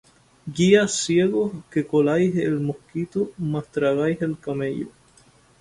Guías ciegos, que coláis el mosquito, mas tragáis el camello!